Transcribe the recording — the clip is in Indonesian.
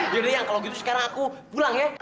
yaudah yang kalo gitu sekarang aku pulang ya